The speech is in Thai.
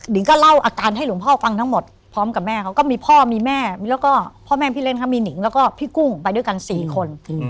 งก็เล่าอาการให้หลวงพ่อฟังทั้งหมดพร้อมกับแม่เขาก็มีพ่อมีแม่แล้วก็พ่อแม่พี่เล่นเขามีหนิงแล้วก็พี่กุ้งไปด้วยกัน๔คน